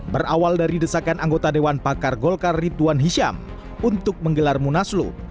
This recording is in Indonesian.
berawal dari desakan anggota dewan pakar golkar ridwan hisyam untuk menggelar munaslu